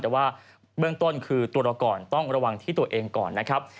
แต่ว่าเบื้องต้นคือตัวเราก่อนต้องระวังที่ตัวเองก่อนนะครับ